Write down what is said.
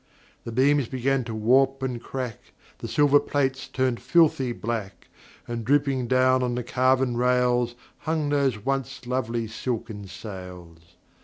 The beams began to warp and crack, The silver plates turned filthy black, And drooping down on the carven rails Hung those once lovely silken sails.